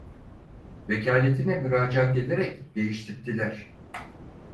Vekaleti'ne müracaat ederek değiştirttiler.